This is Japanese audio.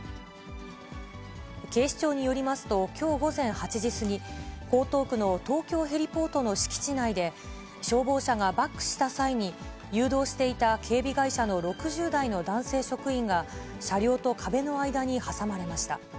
警視庁によりますと、きょう午前８時過ぎ、江東区の東京ヘリポートの敷地内で、消防車がバックした際に、誘導していた警備会社の６０代の男性職員が、車両と壁の間に挟まれました。